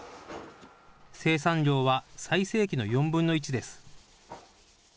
生産量は最盛期の４分の１です。